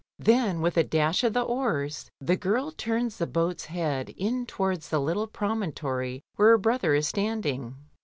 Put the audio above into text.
Then, with a dash of the oars, the girl turns the boat's head in towards the little promontory where her brother is standing.